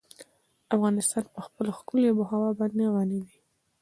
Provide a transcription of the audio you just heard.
افغانستان په خپله ښکلې آب وهوا باندې غني دی.